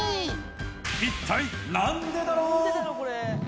一体なんでだろう！？